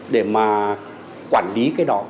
để mà quản lý cái đó